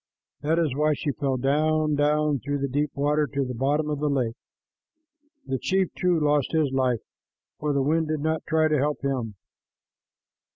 That is why she fell down, down, through the deep water to the bottom of the lake. The chief, too, lost his life, for the wind did not try to help him.